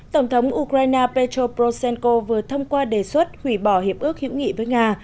tổng thống ukraine petro posehko vừa thông qua đề xuất hủy bỏ hiệp ước hữu nghị với nga